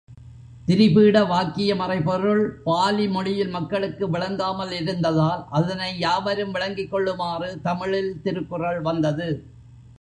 திரிபீட வாக்கிய மறைபொருள் பாலிமொழியில் மக்களுக்கு விளங்காமல் இருந்ததால் அதனை யாவரும் விளங்கிக் கொள்ளுமாறு தமிழில் திருக்குறள் வந்தது.